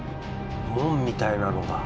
門みたいなのが。